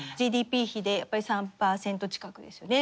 ＧＤＰ比で３％近くですよね。